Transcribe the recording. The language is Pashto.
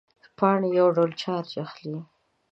پاڼې یو ډول چارج اخلي.